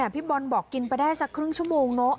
พี่บอลบอกกินไปได้สักครึ่งชั่วโมงเนอะ